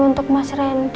untuk mas randy